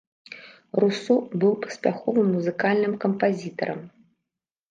Русо быў паспяховым музыкальным кампазітарам.